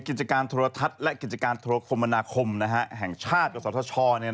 กิจการโทรทัศน์และกิจการโทรคมมนาคมแห่งชาติกับสทช